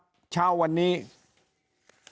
ยิ่งอาจจะมีคนเกณฑ์ไปลงเลือกตั้งล่วงหน้ากันเยอะไปหมดแบบนี้